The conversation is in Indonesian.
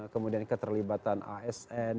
kemudian keterlibatan asn